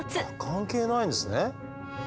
関係ないんですね。